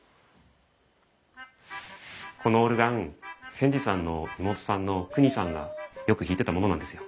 このオルガン賢治さんの妹さんのクニさんがよく弾いてたものなんですよ。